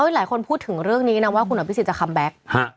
หลายคนพูดถึงเรื่องนี้นะว่าคุณอภิษฎจะคัมแบ็ค